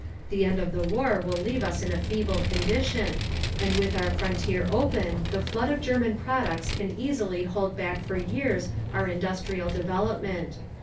The end of the war will leave us in a feeble condition, and with our frontier open the flood of German products can easily hold back for years our industrial development.